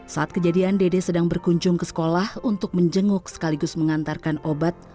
saat kejadian dede sedang berkunjung ke sekolah untuk menjenguk sekaligus mengantarkan obat